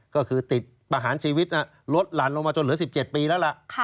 ก็คือติดประหารชีวิตลดหลั่นลงมาจนเหลือ๑๗ปีแล้วล่ะ